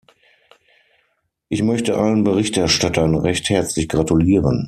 Ich möchte allen Berichterstattern recht herzlich gratulieren!